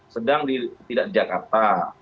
sedang tidak di jakarta